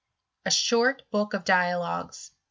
A ^lort Book of Diakgues.